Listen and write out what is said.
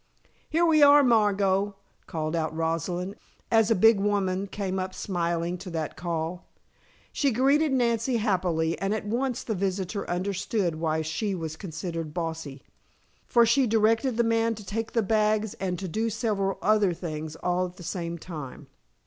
"Here we are, Margot!" called out Rosalind, as a big woman came up smiling to that call. She greeted Nancy happily, and at once the visitor understood why she was considered bossy, for she directed the man to take the bags and to do several other things all at the same time.